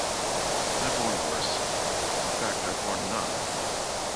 I've worn worse — in fact, I've worn none.